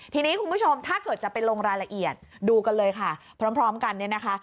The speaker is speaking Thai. ทีนี้คุณผู้ชมถ้าเกิดจะไปลงรายละเอียดดูกันเลยค่ะพร้อมกันเนี่ยนะคะ